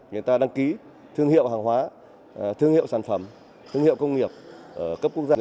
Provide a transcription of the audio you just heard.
người ta đăng ký thương hiệu hàng hóa thương hiệu sản phẩm thương hiệu công nghiệp ở cấp quốc gia